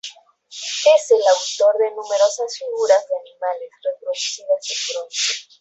Es el autor de numerosas figuras de animales, reproducidas en bronce.